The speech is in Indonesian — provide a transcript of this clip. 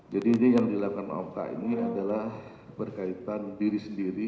jadi ini yang dilakukan pak oka ini adalah berkaitan diri sendiri